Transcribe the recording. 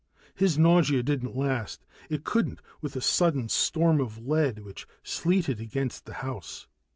His nausea didn't last. It couldn't, with the sudden storm of lead which sleeted against the house.